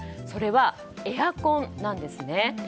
それは、エアコンなんですね。